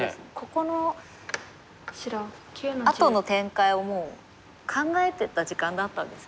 ここのあとの展開をもう考えてた時間だったんですね。